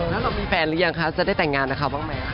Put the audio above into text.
แล้วเรามีแฟนหรือยังคะจะได้แต่งงานกับเขาบ้างไหม